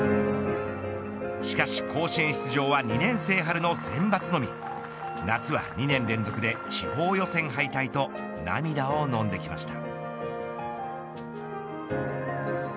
しかし、甲子園出場は２年生春の選抜のみ夏は２年連続で地方予選敗退と涙をのんできました。